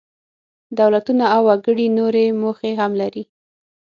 دولتونه او وګړي نورې موخې هم لري.